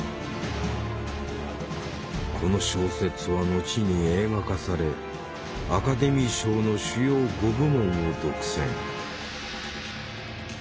この小説は後に映画化されアカデミー賞の主要５部門を独占。